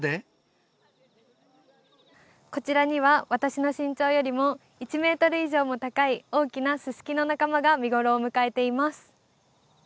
こちらには、私の身長よりも１メートル以上も高い大きなススキの仲間が見頃を迎えています。